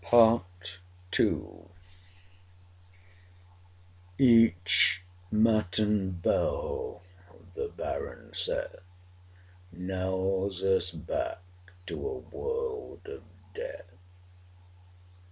1797. PART II Each matin bell, the Baron saith, Knells us back to a world of death.